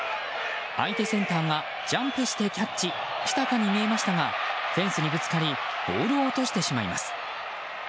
相手センターがジャンプしてキャッチしたかに見えましたがフェンスにぶつかりボールを落としてしまいます。